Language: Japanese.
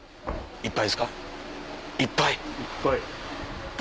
いっぱい！